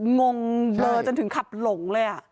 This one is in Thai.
งงเดอจนถึงขับหลงเลยอ่ะ